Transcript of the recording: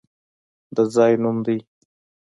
د ځای نوم دی!